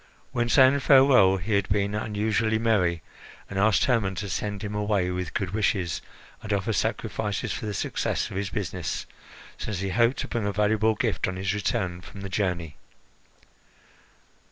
When saying farewell, he had been unusually merry, and asked Hermon to send him away with good wishes and offer sacrifices for the success of his business, since he hoped to bring a valuable gift on his return from the journey.